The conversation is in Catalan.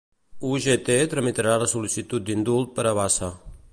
UGT tramitarà la sol·licitud d'indult per a Bassa.